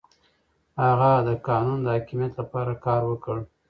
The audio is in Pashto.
هغه د قانون د حاکميت لپاره کار وکړ.